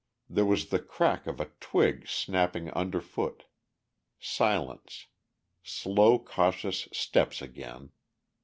There was the crack of a twig snapping underfoot ... silence ... slow cautious steps again.